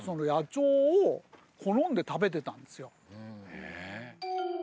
へえ。